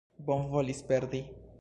Bonvolis perdi.